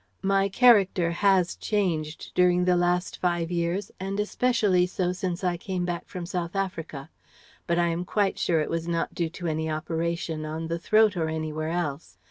"My character has changed during the last five years, and especially so since I came back from South Africa. But I am quite sure it was not due to any operation, on the throat or anywhere else.